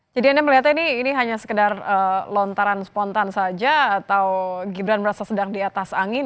jadi anda melihatnya ini hanya sekedar lontaran spontan saja atau gibran merasa sedang di atas angin